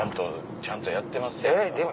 ちゃんとやってますやんか。